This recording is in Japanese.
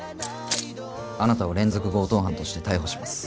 あなたを連続強盗犯として逮捕します。